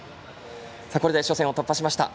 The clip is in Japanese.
これで初戦を突破しました。